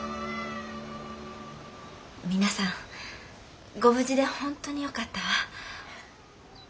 皆さんご無事で本当によかったわ。